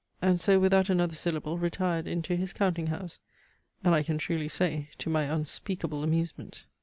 and so without another syllable retired into his counting house. And, I can truly say, to my unspeakable amusement.